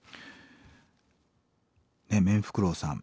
メンフクロウさん